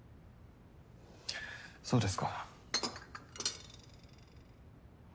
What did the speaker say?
そうですか。